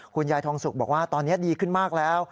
คุณยายทองสุกบอกว่าตอนนี้ดีขึ้นมากแล้ว